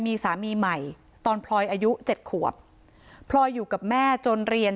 มีสามีใหม่ตอนพลอยอายุเจ็ดขวบพลอยอยู่กับแม่จนเรียน